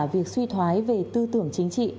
việc suy thoái về tư tưởng chính trị